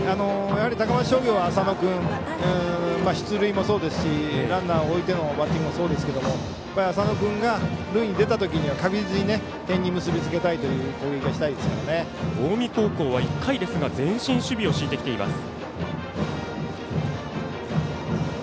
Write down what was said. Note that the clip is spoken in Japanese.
やはり、高松商業は浅野君、出塁もそうですしランナー置いてのバッティングもそうですが浅野君が塁に出た時には確実に点に結び付けたいという近江高校は１回ですが前進守備を敷いてきています。